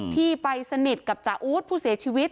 ที่ไปสนิทกับจาอู๊ดผู้เสียชีวิต